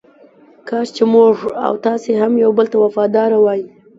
کاش چې موږ او تاسې هم یو بل ته وفاداره وای.